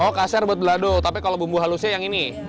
oh kasar buat belado tapi kalau bumbu halusnya yang ini